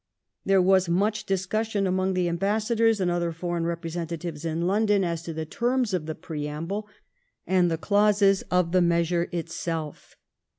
There was much discussion among the ambassadors and other foreign representatives in London as to the terms of the preamble and the clauses of the measure itself.